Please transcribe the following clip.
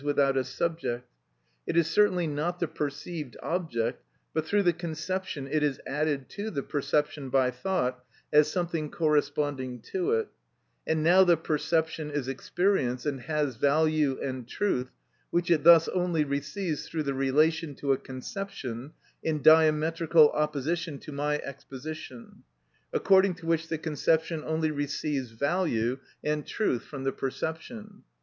_, without a subject. It is certainly not the perceived object, but through the conception it is added to the perception by thought, as something corresponding to it; and now the perception is experience, and has value and truth, which it thus only receives through the relation to a conception (in diametrical opposition to my exposition, according to which the conception only receives value and truth from the perception).